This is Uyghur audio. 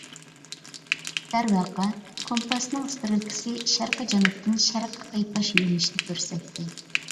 دەرۋەقە، كومپاسنىڭ ئىسترېلكىسى شەرقىي جەنۇبتىن شەرققە قىيپاش يۆلىنىشنى كۆرسەتتى.